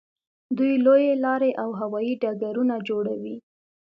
دوی لویې لارې او هوایي ډګرونه جوړوي.